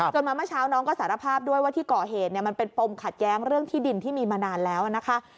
มาเมื่อเช้าน้องก็สารภาพด้วยว่าที่ก่อเหตุมันเป็นปมขัดแย้งเรื่องที่ดินที่มีมานานแล้วนะคะ